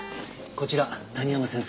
こちら谷浜先生。